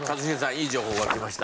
いい情報が来ました。